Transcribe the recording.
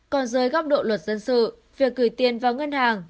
còn dưới góc độ luật dân sự việc gửi tiền vào ngân hàng